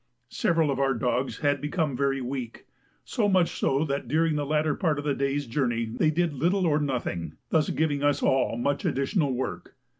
Several of our dogs had become very weak so much so that during the latter part of the day's journey they did little or nothing, thus giving us all much additional work.